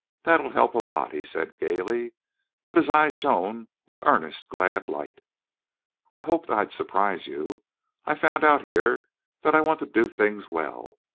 That'll help a lot," he said, gayly, but his eyes shone with earnest, glad light. "I hoped I'd surprise you. I've found out here that I want to do things well.